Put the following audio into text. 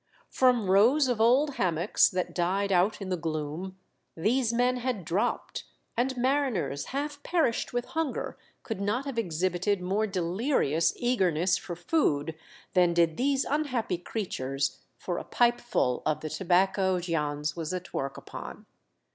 From rows of old hammocks, that died out in the gloom, these men had dropped, and mariners half perished with hunger could not have exhibited more delirious eao^erness for food than did these unhappy creatures for a pipeful of the tobacco Jans was at work upon.